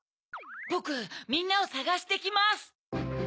ぼくみんなをさがしてきます。